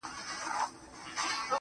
گراني زر واره درتا ځار سمه زه.